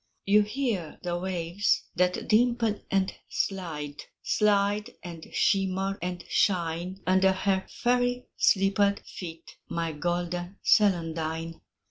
You hear the waves that dimple and slide, Slide and shimmer and shine, Under her fairy slippered feet My golden celandine.